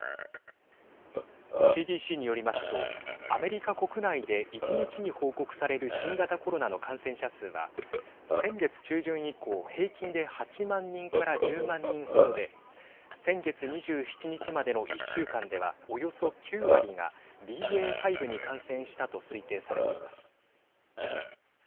ＣＤＣによりますとアメリカ国内で一日に報告される新型コロナの感染者数は先月中旬以降平均で８万人から１０万人程で先月２７日までの１週間ではおよそ９割がＢＡ．５に感染したと推定されています。